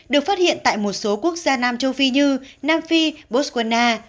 được phát hiện tại một số quốc gia nam châu phi như nam phi botswana